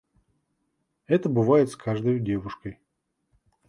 Это бывает с каждою девушкой.